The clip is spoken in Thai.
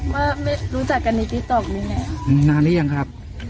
ว่าไม่รู้จักกันในตีตกยังไงอืมนานแล้วยังครับ